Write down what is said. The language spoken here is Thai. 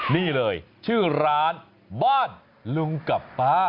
นี่เลยชื่อร้านบ้านลุงกับป้า